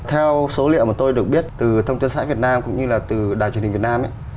theo số liệu mà tôi được biết từ thông tin xã việt nam cũng như là từ đài truyền hình việt nam